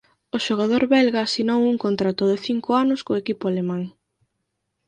O xogador belga asinou un contrato de cinco anos co equipo alemán.